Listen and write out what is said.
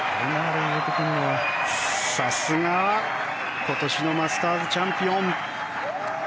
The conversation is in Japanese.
さすがは今年のマスターズチャンピオン。